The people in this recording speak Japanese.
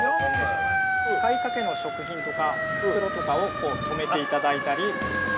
◆使いかけの食品とか袋とかを留めていただいたり。